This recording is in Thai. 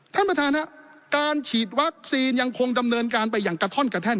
ท่านประธานครับการฉีดวัคซีนยังคงดำเนินการไปอย่างกระท่อนกระแท่น